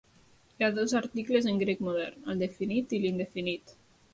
Hi ha dos articles en grec modern, el definit i l'indefinit.